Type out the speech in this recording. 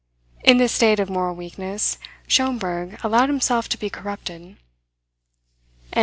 In this state of moral weakness Schomberg allowed himself to be corrupted.